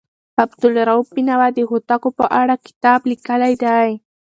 عبدالروف بېنوا د هوتکو په اړه کتاب لیکلی دی.